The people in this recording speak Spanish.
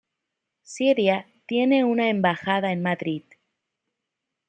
Siria tiene una embajada en Madrid.